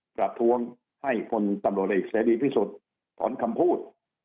ประท้วงให้คนตำรวจเอกเสรีพิสุทธิ์ถอนคำพูด